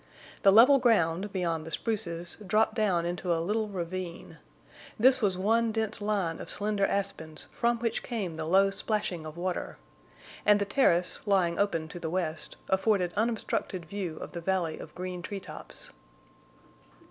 The level ground, beyond the spruces, dropped down into a little ravine. This was one dense line of slender aspens from which came the low splashing of water. And the terrace, lying open to the west, afforded unobstructed view of the valley of green treetops.